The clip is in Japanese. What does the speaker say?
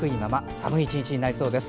寒い１日になりそうです。